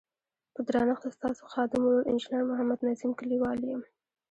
په درنښت ستاسو خادم ورور انجنیر محمد نظیم کلیوال یم.